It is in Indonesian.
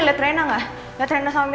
sekarang lebih bisa lagi